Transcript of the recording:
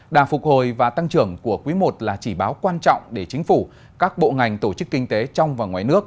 đà phục hồi và tăng trưởng của quý i là chỉ báo quan trọng để chính phủ các bộ ngành tổ chức kinh tế trong và ngoài nước